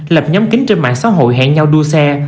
lập nhóm kính trên mạng xã hội hẹn nhau đua xe